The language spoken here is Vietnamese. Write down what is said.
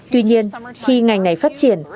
tuy nhiên khi ngành này phát triển